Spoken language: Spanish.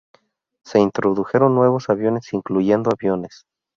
Se introdujeron nuevos aviones, incluyendo aviones.